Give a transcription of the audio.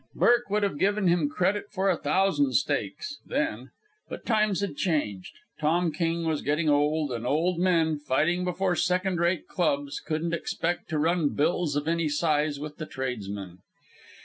Burke would have given him credit for a thousand steaks then. But times had changed. Tom King was getting old; and old men, fighting before second rate clubs, couldn't expect to run bills of any size with the tradesmen.